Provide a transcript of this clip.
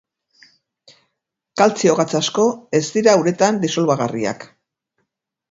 Kaltzio-gatz asko ez dira uretan disolbagarriak.